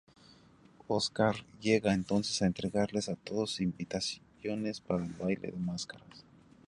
Oscar llega entonces a entregarles a todos invitaciones para el baile de máscaras.